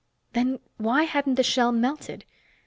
Then why hadn't the shell melted?